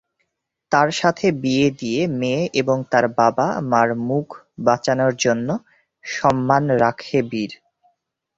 তার সাথে বিয়ে দিয়ে মেয়ে এবং তার বাবা-মা'র মুখ বাঁচানোর জন্য সম্মান রাখে বীর।